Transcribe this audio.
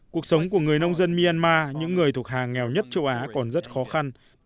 cuộc sống của người nông dân myanmar những người thuộc hàng nghèo nhất châu á còn rất khó khăn